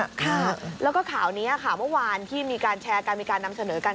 ค่ะแล้วก็ข่าวนี้ค่ะเมื่อวานที่มีการแชร์กันมีการนำเสนอกัน